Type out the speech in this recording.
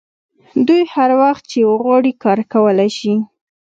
دوی هر وخت چې وغواړي کار کولی شي